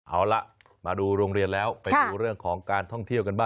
เอาล่ะมาดูโรงเรียนแล้วไปดูเรื่องของการท่องเที่ยวกันบ้าง